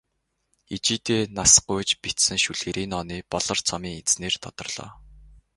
Ижийдээ нас гуйж бичсэн шүлгээр энэ оны "Болор цом"-ын эзнээр тодорлоо.